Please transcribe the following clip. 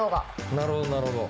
なるほどなるほど。